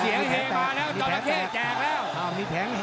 เสียงเฮมาแล้วจอดละเค้แจกแล้ว